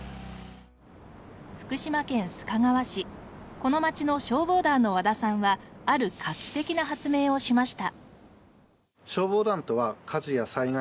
この街の消防団の和田さんはある画期的な発明をしました。